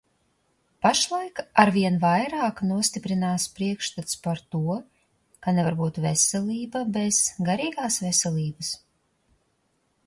Pašlaik arvien vairāk nostiprinās priekšstats par to, ka nevar būt veselības bez garīgās veselības.